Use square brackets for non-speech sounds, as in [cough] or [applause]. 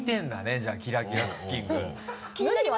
じゃあ「キラキラクッキング」ハハハ [laughs]